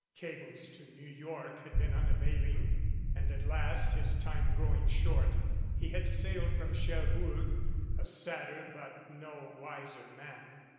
Cables to New York had been unavailing, and at last, his time growing short, he had sailed from Cherbourg, a sadder but no wiser man.